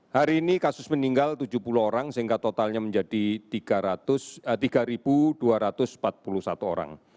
hari ini kasus meninggal tujuh puluh orang sehingga totalnya menjadi tiga dua ratus empat puluh satu orang